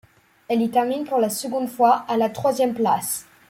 Elle y termine pour la seconde fois à la troisième place.